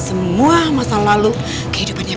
aduh ini asal vids untuk saya